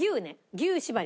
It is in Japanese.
牛縛り。